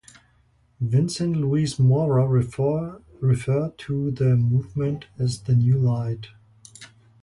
Vincente Luis Mora refers to the movement as The New Light.